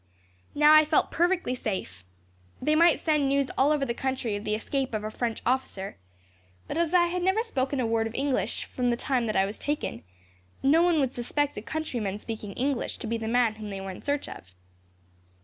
Now I felt perfectly safe. They might send news all over the country of the escape of a French officer, but as I had never spoken a word of English, from the time that I was taken, no one would suspect a countryman speaking English to be the man whom they were in search of.